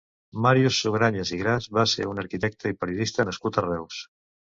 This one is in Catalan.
Màrius Sugrañes i Gras va ser un arquitecte i periodista nascut a Reus.